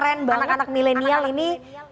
anak anak milenial ini